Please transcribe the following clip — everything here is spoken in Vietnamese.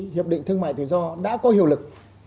hiệp định thương mại thế gió đã có hiệu lực